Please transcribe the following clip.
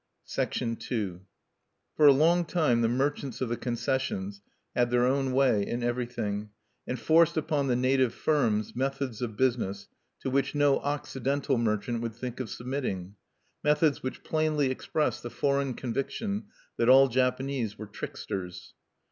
II For a long time the merchants of the concessions had their own way in everything, and forced upon the native firms methods of business to which no Occidental merchant would think of submitting, methods which plainly expressed the foreign conviction that all Japanese were tricksters.